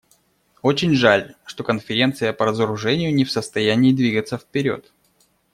Очень жаль, что Конференция по разоружению не в состоянии двигаться вперед.